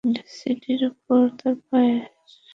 সিঁড়ির উপর তার পায়ের শব্দ কি শুনতে পাচ্ছি।